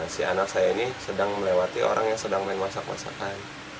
si anak saya ini sedang melewati orang yang sedang main masak masakan